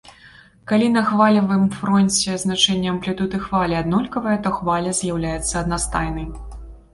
Калі на хвалевым фронце значэнні амплітуды хвалі аднолькавыя, то хваля з'яўляецца аднастайнай.